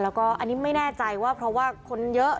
แล้วก็อันนี้ไม่แน่ใจว่าเพราะว่าคนเยอะ